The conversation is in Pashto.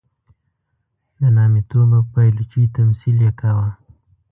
د نامیتوب او پایلوچۍ تمثیل یې کاوه.